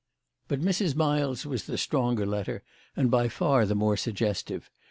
But Mrs. Miles' was the stronger letter, and by far the more suggestive.